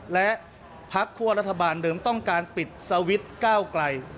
และพักคั่วรัฐบาลเดิมต้องการปิดสวิตช์ก้าวไกล